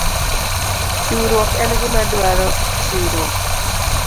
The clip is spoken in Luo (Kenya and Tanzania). Chiwruok en gima dwaro chiwruok